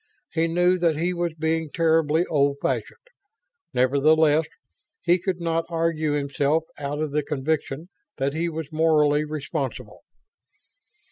He knew that he was being terribly old fashioned. Nevertheless, he could not argue himself out of the conviction that he was morally responsible.